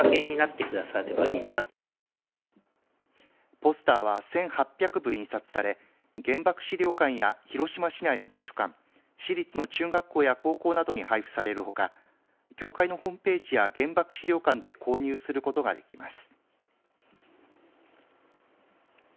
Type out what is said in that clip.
ポスターは１８００部印刷され原爆資料館や広島市内の図書館市立の中学校や高校などに配布されるほか協会のホームページや原爆資料館で購入することができます。